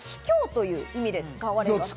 卑怯という意味で使われます。